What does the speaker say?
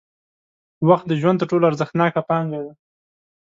وخت د ژوند تر ټولو ارزښتناکه پانګه ده.